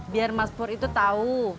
biar mas pur itu tahu